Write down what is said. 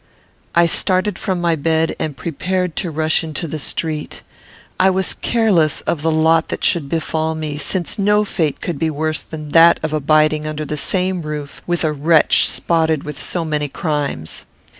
I started from my bed, and prepared to rush into the street. I was careless of the lot that should befall me, since no fate could be worse than that of abiding under the same roof with a wretch spotted with so many crimes.